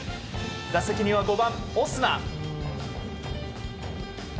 打席には５番、オスナ。